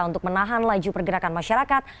untuk menahan laju pergerakan masyarakat